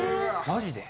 ・マジで？